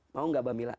mau gak mbak mila